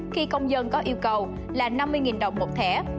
khi công dân có yêu cầu là năm mươi đồng một thẻ